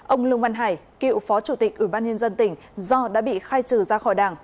ông lương văn hải cựu phó chủ tịch ủy ban nhân dân tỉnh do đã bị khai trừ ra khỏi đảng